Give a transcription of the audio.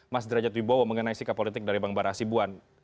mas derajat wibowo mengenai sikap politik dari bang bara sibuan